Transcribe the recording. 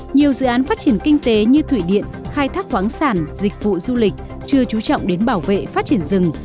nhiều dự án phát triển kinh tế như thủy điện khai thác khoáng sản dịch vụ du lịch chưa trú trọng đến bảo vệ phát triển rừng